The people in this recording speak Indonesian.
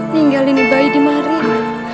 ninggalin bayi di marim